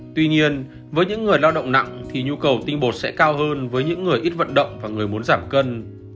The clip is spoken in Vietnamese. tuy nhiên với những người lao động nặng thì nhu cầu tinh bột sẽ cao hơn với những người ít vận động và người muốn giảm cân